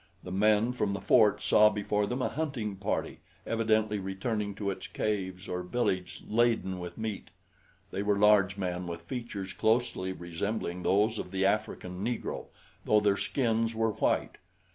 The men from the fort saw before them a hunting party evidently returning to its caves or village laden with meat. They were large men with features closely resembling those of the African Negro though their skins were white.